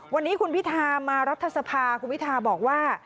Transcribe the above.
วันนี้คุณพิธามารัฐสภาคุณพิทาบอกว่า